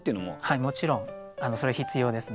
はいもちろんそれは必要ですね。